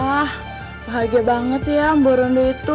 wah bahagia banget ya mbau rondo itu